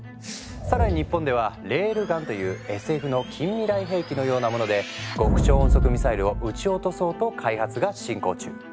更に日本では「レールガン」っていうＳＦの近未来兵器のようなもので極超音速ミサイルを撃ち落とそうと開発が進行中。